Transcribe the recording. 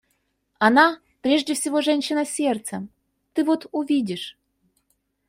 Она прежде всего женщина с сердцем, ты вот увидишь.